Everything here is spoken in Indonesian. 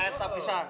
eh tapi sar